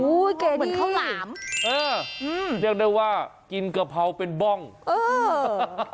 อู้เก่งดีอื้อยังได้ว่ากินกะเพราเป็นบ้องอื้อ